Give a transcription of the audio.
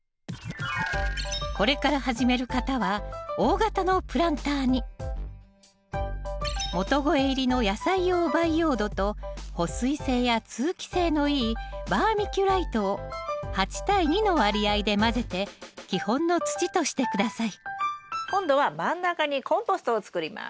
これから始める方は大型のプランターに元肥入りの野菜用培養土と保水性や通気性のいいバーミキュライトを８対２の割合で混ぜて基本の土として下さい今度は真ん中にコンポストを作ります。